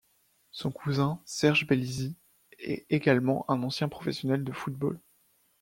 Son cousin Serge Bellisi est également un ancien professionnel de football.